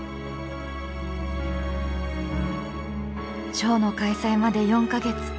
ショーの開催まで４か月。